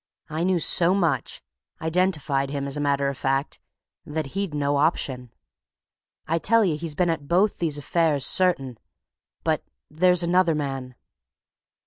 I knew so much identified him, as a matter of fact that he'd no option. I tell you he's been in at both these affairs certain! But there's another man."